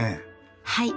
はい。